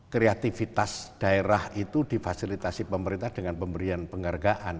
kreativitas daerah itu difasilitasi pemerintah dengan pemberian penghargaan